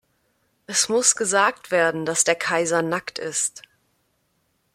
Es muss gesagt werden, dass der Kaiser nackt ist!